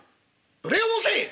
「無礼を申せ！